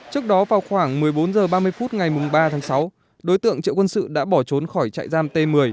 trước đó vào khoảng một mươi bốn h ba mươi phút ngày ba tháng sáu đối tượng triệu quân sự đã bỏ trốn khỏi trại giam t một mươi